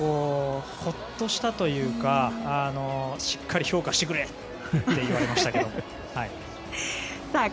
ほっとしたというかしっかり評価してくれって言われましたけど。